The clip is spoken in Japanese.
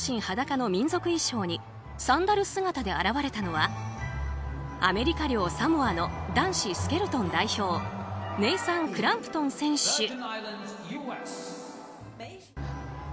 裸の民族衣装にサンダル姿で現れたのはアメリカ領サモアの男子スケルトン代表ネイサン・クランプトン選手。